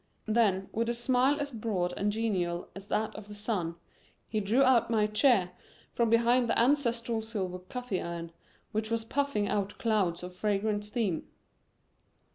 Then, with a smile as broad and genial as that of the sun, he drew out my chair from behind the ancestral silver coffee urn, which was puffing out clouds of fragrant steam.